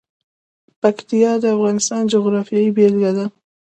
پکتیکا د افغانستان د جغرافیې بېلګه ده.